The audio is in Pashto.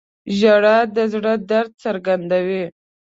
• ژړا د زړه درد څرګندوي.